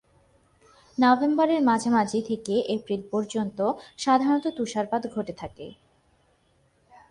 নভেম্বরের মাঝামাঝি থেকে এপ্রিল পর্যন্ত সাধারণত তুষারপাত ঘটে থাকে।